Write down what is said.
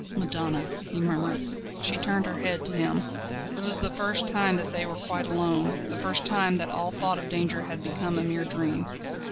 "Madonna!" he murmured. She turned her head to him. It was the first time that they were quite alone, the first time that all thought of danger had become a mere dream.